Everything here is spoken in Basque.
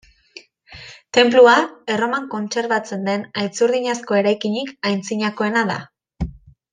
Tenplua, Erroman kontserbatzen den haitzurdinezko eraikinik antzinakoena da.